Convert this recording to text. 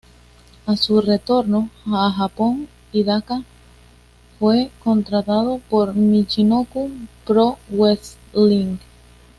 A su retorno a Japón, Hidaka fue contratado por Michinoku Pro Wrestling.